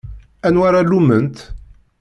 Anwa ara lumment?